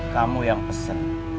kamu yang pesan